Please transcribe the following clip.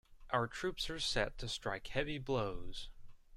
Our troops are set to strike heavy blows.